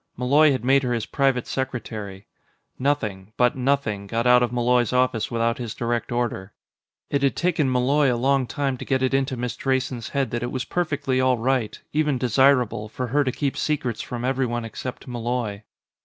Malloy had made her his private secretary. Nothing but nothing got out of Malloy's office without his direct order. It had taken Malloy a long time to get it into Miss Drayson's head that it was perfectly all right even desirable for her to keep secrets from everyone except Malloy.